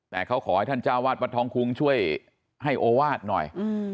แต่เขาขอให้ท่านเจ้าวาดวัดทองคุ้งช่วยให้โอวาสหน่อย